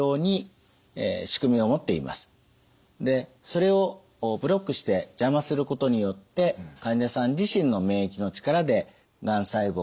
それをブロックして邪魔することによって患者さん自身の免疫の力でがん細胞を排除しようという薬です。